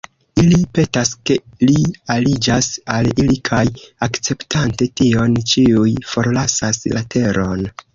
Ili petas ke li aliĝas al ili, kaj akceptante tion, ĉiuj forlasas la teron.